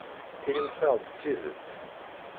Inimt-aɣ-d tidet.